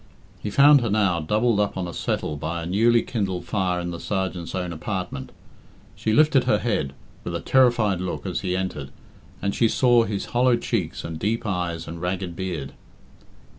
He found her now doubled up on a settle by a newly kindled fire in the sergeant's own apartment. She lifted her head, with a terrified look, as he entered, and she saw his hollow cheeks and deep eyes and ragged beard.